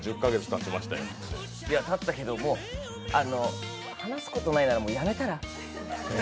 たったけど、もう話すことないなら、もうやめたら？